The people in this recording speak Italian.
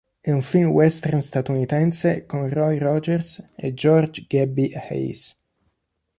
È un film western statunitense con Roy Rogers e George 'Gabby' Hayes.